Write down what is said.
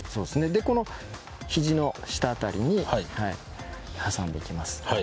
でこのひじの下辺りに挟んでいきます。